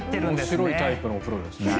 面白いタイプのお風呂ですね。